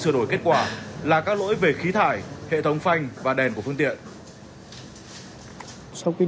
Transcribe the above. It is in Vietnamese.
sửa đổi kết quả là các lỗi về khí thải hệ thống phanh và đèn của phương tiện